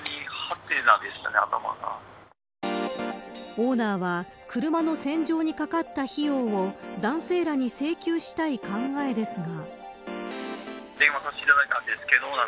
オーナーは車の洗浄にかかった費用を男性らに請求したい考えですが。